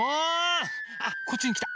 あっこっちにきた。